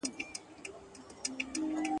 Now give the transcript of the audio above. پرېماني د نعمتونو د ځنګله وه ..